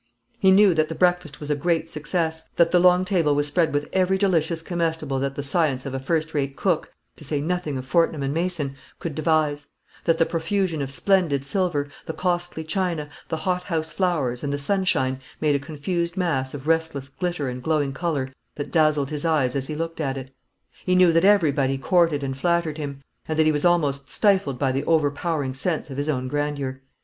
He knew that the breakfast was a great success; that the long table was spread with every delicious comestible that the science of a first rate cook, to say nothing of Fortnum and Mason, could devise; that the profusion of splendid silver, the costly china, the hothouse flowers, and the sunshine, made a confused mass of restless glitter and glowing colour that dazzled his eyes as he looked at it. He knew that everybody courted and flattered him, and that he was almost stifled by the overpowering sense of his own grandeur.